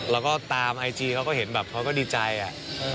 แล้วก็ตามไอจีเขาก็เห็นแบบเขาก็ดีใจอะ